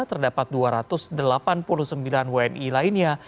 terdapat dua ratus delapan puluh sembilan wni lainnya